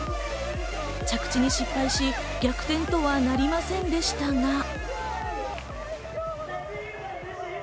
着地に失敗し、逆転とはなりませんでしたが。